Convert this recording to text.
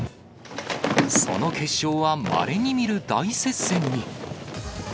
その決勝は、まれに見る大接戦に。